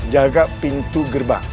jaga pintu gerbangnya